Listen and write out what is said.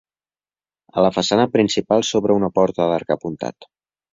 A la façana principal s'obre una porta d'arc apuntat.